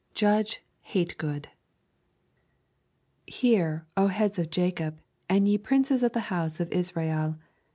JUDGE HATE GOOD 'Hear, O heads of Jacob, and ye princes of the house of Israel